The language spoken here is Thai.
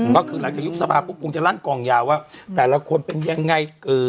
หลักจากยุคสภาพปุ๊บกูลอนกลางยาวแต่ละควรเป็นยังไง